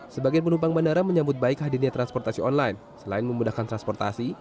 sebagian penumpang bandara menyambut baik hadirnya transportasi online selain memudahkan transportasi